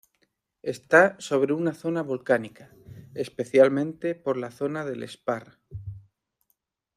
Está sobre una zona volcánica, especialmente, por la zona de L´Esparra.